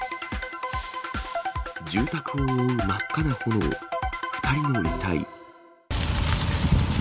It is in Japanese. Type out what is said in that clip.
住宅を覆う真っ赤な炎、２人の遺体。